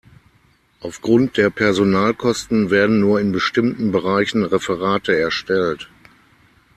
Aufgrund der Personalkosten werden nur in bestimmten Bereichen Referate erstellt.